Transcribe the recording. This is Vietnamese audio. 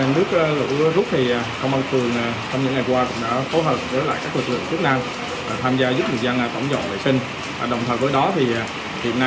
nếu thấy nhận thức điều đó thì công an phường cũng chủ động hỗ hợp một số đơn vị cựu thiện